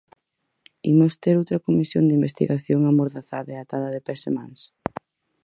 ¿Imos ter outra comisión de investigación amordazada e atada de pés e mans?